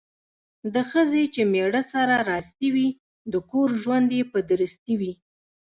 د ښځې چې میړه سره راستي وي ،د کور ژوند یې په درستي وي.